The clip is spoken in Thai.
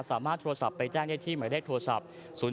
สามารถโทรศัพท์ไปแจ้งได้ที่หมายเลขโทรศัพท์